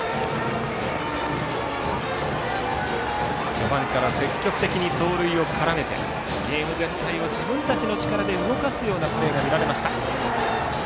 序盤から積極的に走塁を絡めてゲーム全体を自分たちの力で動かすようなプレーが見られました。